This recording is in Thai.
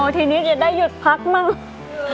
ทีนี้ยังได้หยุดพักมาก